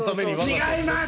違います！